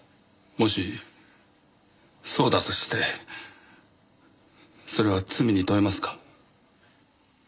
もしそうだとしてそれは罪に問えますか？